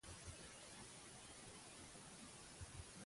La jove dona de Cabrera no triga a caure sota l'encant viril de Pedro.